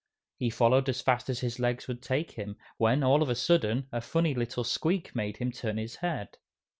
He followed as fast as his legs would take him, when, all of a sudden, a funny little squeak made him turn his head.